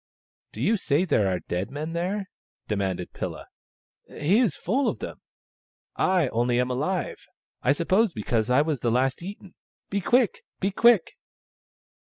" Do you say there are dead men there ?" demanded Pilla. "He is full of them. I only am alive, I sup pose because I was the last eaten. Be quick ! be quick